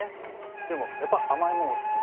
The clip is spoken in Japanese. でもやっぱ甘いものお好きで。